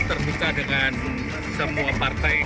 terima kasih pak erlangga hartarto